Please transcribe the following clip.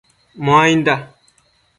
Muainda